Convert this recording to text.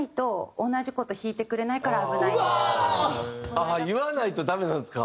ああ言わないとダメなんですか。